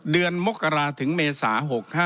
เดือนมกราถึงเมษา๖๕